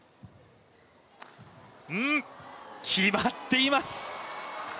決まっています！